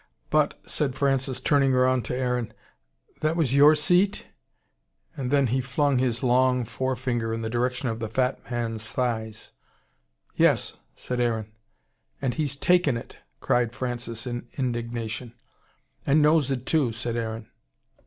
"But," said Francis, turning round to Aaron, "that was YOUR SEAT?" and he flung his long fore finger in the direction of the fat man's thighs. "Yes!" said Aaron. "And he's TAKEN it !" cried Francis in indignation. "And knows it, too," said Aaron.